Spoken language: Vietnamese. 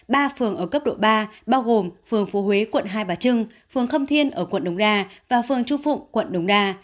ba phường ở cấp độ ba bao gồm phường phố huế quận hai bà trưng phường khâm thiên ở quận đồng đa và phường chu phụng quận đồng đa